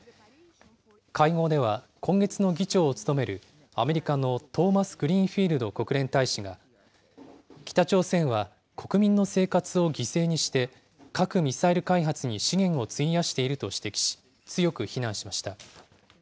会合では今月の議長を務める、アメリカのトーマスグリーンフィールド国連大使が、北朝鮮は国民の生活を犠牲にして、核・ミサイル開発に資源を費やしていると指摘し、強く非難しました。